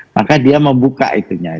maka dia membuka itunya